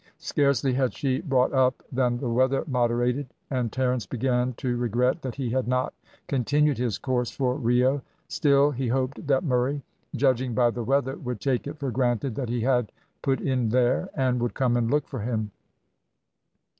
Scarcely had she brought up than the weather moderated, and Terence began to regret that he had not continued his course for Rio; still he hoped that Murray, judging by the weather, would take it for granted that he had put in there, and would come and look for him.